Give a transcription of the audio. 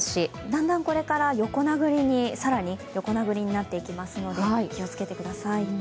だんだんこれから更に横殴りになっていきますので、気をつけてください。